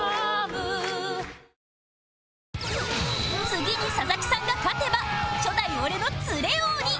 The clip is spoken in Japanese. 次に佐々木さんが勝てば初代俺のツレ王に